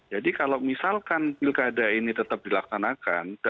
jadi kalau misalkan pilkada ini tetap dilakukan akan